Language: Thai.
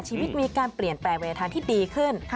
ชีวิตมีการเปลี่ยนแปลงเวลาทางที่ดีขึ้น